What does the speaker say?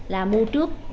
là mua trước